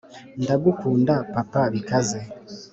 ndagukunda, papa bikaze